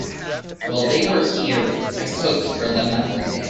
While they were here, I cooked for them everyday.